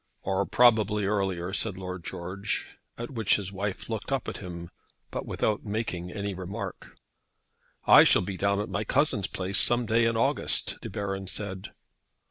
"Or probably earlier," said Lord George; at which his wife looked up at him, but without making any remark. "I shall be down at my cousin's place some day in August," De Baron said.